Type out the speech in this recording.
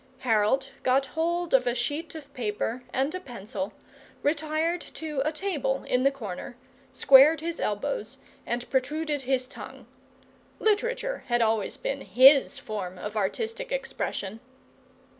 Harold got hold of a sheet of paper and a pencil, retired to a table in the corner, squared his elbows, and protruded his tongue. Literature had always been HIS form of artistic expression.